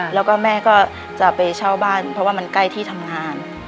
แล้วก็แม่ก็จะไปเช่าบ้านเพราะว่ามันใกล้ที่ทำงาน